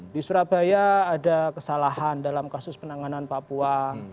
di surabaya ada kesalahan dalam kasus penanganan papua